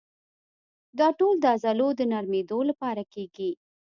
دا ټول د عضلو د نرمېدو لپاره کېږي.